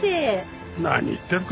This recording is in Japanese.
何言ってるか。